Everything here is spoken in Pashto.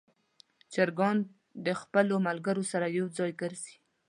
چرګان د خپلو ملګرو سره یو ځای ګرځي.